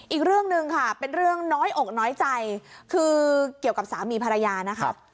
อีกเรื่องหนึ่งค่ะเป็นเรื่องน้อยอกน้อยใจคือเกี่ยวกับสามีภรรยานะคะ